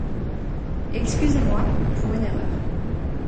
Excusez-moi (pour une erreur).